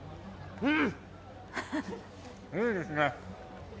うん！